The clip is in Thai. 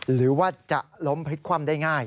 หรือว่าจะล้มพลิกคว่ำได้ง่าย